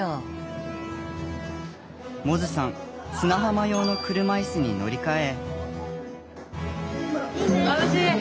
百舌さん砂浜用の車いすに乗り換え。